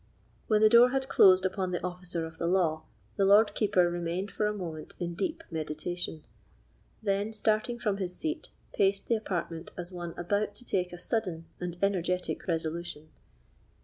When the door had closed upon the officer of the law, the Lord Keeper remained for a moment in deep meditation; then, starting from his seat, paced the apartment as one about to take a sudden and energetic resolution.